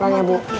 pelan ya bu